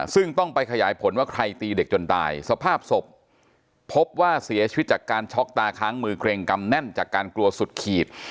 ซึ่งต้องไปขยายผลว่าใครตีเด็กจนตายสภาพศพพบว่าเสียชีวิตจากการช็อกตาค้างมือเกร็งกำแน่นจากการกลัวสุดขีด